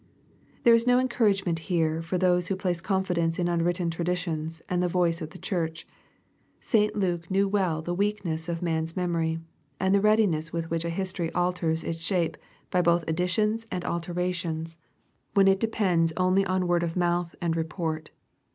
There is no encouragement here for those who place confidence in unwritten traditions, and the voice of the church. St. Luke knew well the weakness of man's memory, and the readiness with which a history alters its shape both by additions and alterations^ when it LUKE, CHAP. I. depends only on word of mouth and report.